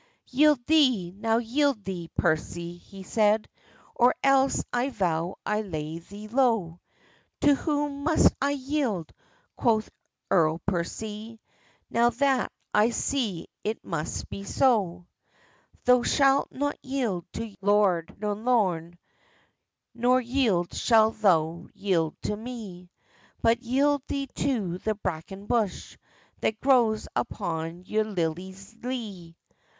"Yield thee, now yield thee, Percy," he said, "Or else I vow I'll lay thee low!" "To whom must I yield," quoth Earl Percy, "Now that I see it must be so?" "Thou shalt not yield to lord nor loun, Nor yet shalt thou yield to me; But yield thee to the braken bush, That grows upon yon lilye lee!"